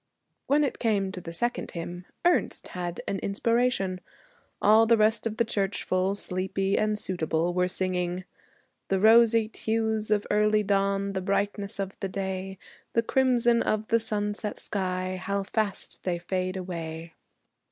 When it came to the second hymn Ernest had an inspiration. All the rest of the churchful, sleepy and suitable, were singing, 'The roseate hues of early dawn, The brightness of the day, The crimson of the sunset sky, How fast they fade away.'